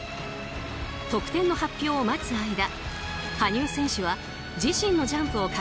得点の発表を待つ間